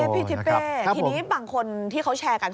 พี่ทิเป้ทีนี้บางคนที่เขาแชร์กัน